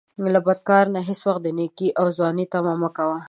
له بدکارو نه هیڅ وخت د نیکۍ او ځوانۍ طمعه مه کوه